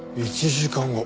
１時間後。